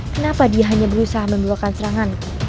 kenapa dia hanya berusaha membuahkan seranganku